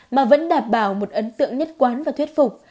mà vẫn đảm bảo một ấn tượng nhất quán và thú vị